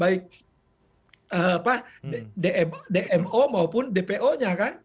baik dmo maupun dpo nya kan